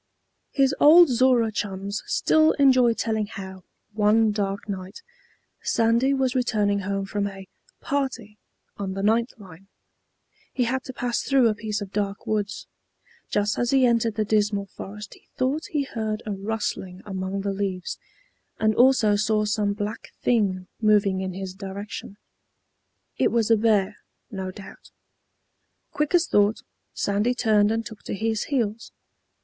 His old Zorra chums still enjoy telling how, one dark night, Sandy was returning home from a "party" on the ninth line. He had to pass through a piece of dark woods. Just as he entered the dismal forest he thought he heard a rustling among the leaves, and also saw some black thing moving in his direction. It was a bear, no doubt. Quick as thought, Sandy turned and took to his heels.